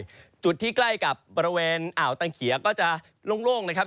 ตกส่วนใหญ่จุดที่ใกล้กับบริเวณอ่าวตั้งเขียวก็จะโล่งนะครับ